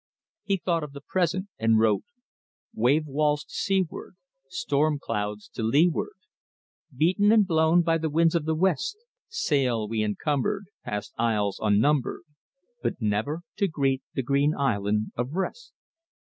He thought of the present, and he wrote: "Wave walls to seaward, Storm clouds to leeward, Beaten and blown by the winds of the West; Sail we encumbered Past isles unnumbered, But never to greet the green island of Rest."